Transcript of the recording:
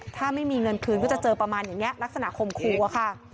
ถ้าไม่มีเงินคืนก็จะเจอประมาณอย่างนี้ลักษณะคมครูอะค่ะ